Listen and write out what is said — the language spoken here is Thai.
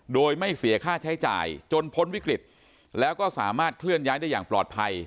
โดยไม่เสียค่าใช้จ่ายจนพ้นวิกฤตแล้วก็สามารถเคลื่อนย้ายได้อย่างปลอดภัย